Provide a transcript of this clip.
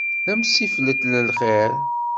D amsifillet n lxir.